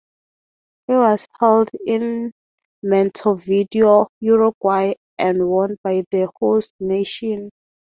It was held in Montevideo, Uruguay and won by the host nation.